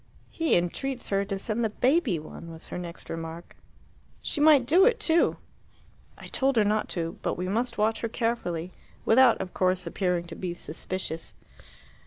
"He entreats her to send the baby one," was her next remark. "She might do it too!" "I told her not to; but we must watch her carefully, without, of course, appearing to be suspicious."